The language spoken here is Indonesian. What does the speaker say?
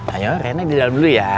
ayo reinnya di dalam dulu ya